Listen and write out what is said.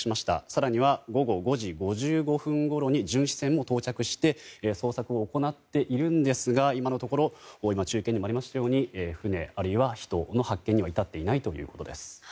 更には、午後５時５６分ごろに巡視船も到着して捜索を行っているんですが今のところ中継にもありましたように船、あるいは人の発見には至っていないということです。